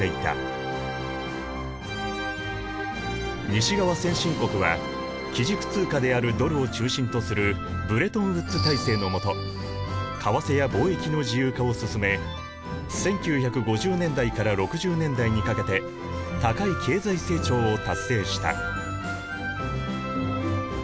西側先進国は基軸通貨であるドルを中心とするブレトン・ウッズ体制のもと為替や貿易の自由化を進め１９５０年代から６０年代にかけて高い経済成長を達成した。